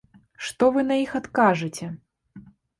Што вы на іх адкажыце?